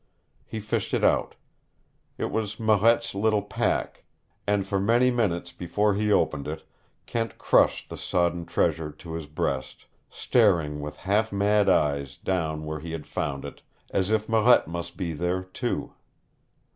He fished it out. It was Marette's little pack, and for many minutes before he opened it Kent crushed the sodden treasure to his breast, staring with half mad eyes down where he had found it, as if Marette must be there, too.